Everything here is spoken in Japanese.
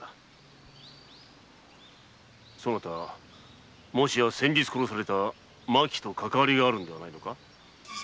そなたもしや先日殺された麻紀とかかわりがあるのではないか？